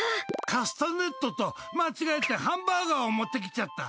カスタネットと間違えてハンバーガーを持ってきちゃった！